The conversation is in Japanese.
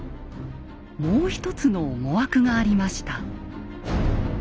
もう一つの思惑がありました。